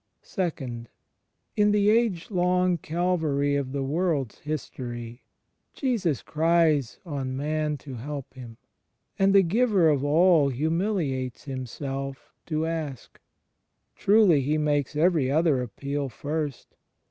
(ii) In the age long Calvary of the world's history, Jesus cries on man to help Him; and the Giver of all humiliates Himself to ask. Truly He makes every other appeal first.